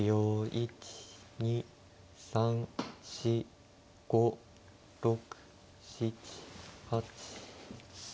１２３４５６７８。